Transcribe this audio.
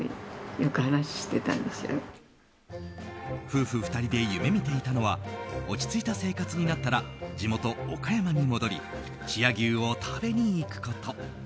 夫婦２人で夢見ていたのは落ち着いた生活になったら地元・岡山に戻り千屋牛を食べに行くこと。